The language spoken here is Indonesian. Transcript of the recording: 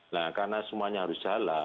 nah karena semuanya harus jalan